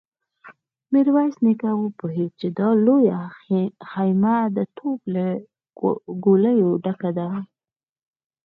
ميرويس نيکه وپوهيد چې دا لويه خيمه د توپ له ګوليو ډکه ده.